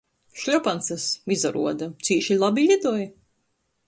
Šļopancys, izaruoda, cīši labi lidoj.